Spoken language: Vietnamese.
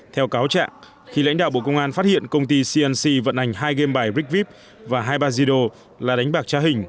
theo cáo trạng khi lãnh đạo bộ công an phát hiện công ty cnc vận hành hai game bài rigvip và hai bazido là đánh bạc tra hình